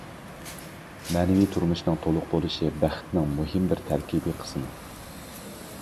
مەنىۋى تۇرمۇشنىڭ تولۇق بولۇشى بەختنىڭ مۇھىم بىر تەركىبى قىسمى.